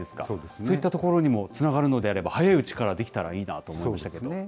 そういったところにもつながるのであれば、早いうちからできたらいいなと思いましたけど。